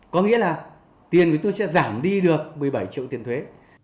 có nghĩa là tiền thì tôi sẽ giảm đi được một mươi bảy triệu tiền thuế